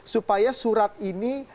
supaya surat ini